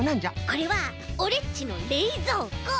これはオレっちのれいぞうこ！